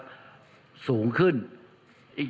ด้วยเหตุหารุตเปลี่ยน